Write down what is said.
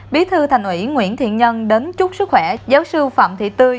bí thư thành ủy nguyễn thiện nhân đến chúc sức khỏe giáo sư phạm thị tươi